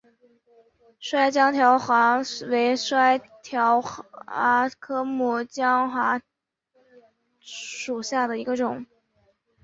蓑江珧蛤为江珧蛤科曲江珧蛤属下的一个种。